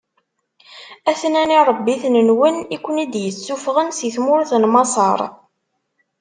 A-ten-an iṛebbiten-nwen i ken-id-issufɣen si tmurt n Maṣer.